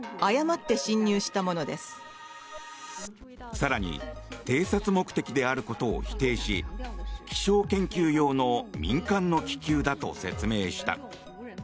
更に偵察目的であることを否定し気象研究用の民間の気球だと説明した。